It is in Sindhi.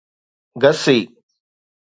گسي